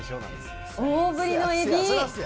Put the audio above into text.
大ぶりのエビ。